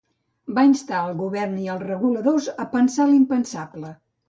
Va instar el govern i els reguladors a "pensar l'impensable".